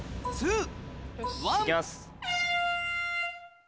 行きます。